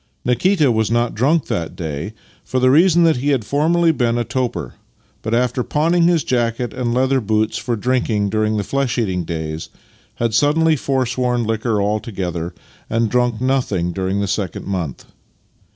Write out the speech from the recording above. Nikita B I 2 Master and Man was not drunk that day for the reason that he had formerly been a toper, but, after pawning his jacket and leather boots for drink during the flesh eating days, had suddenly foresworn liquor altogether, and drunk nothing during the second month.